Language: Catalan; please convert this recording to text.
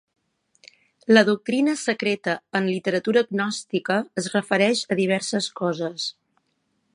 La doctrina secreta en literatura gnòstica es refereix a diverses coses.